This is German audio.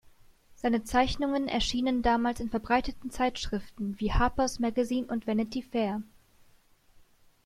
Seine Zeichnungen erschienen damals in verbreiteten Zeitschriften wie Harper’s Magazine und Vanity Fair.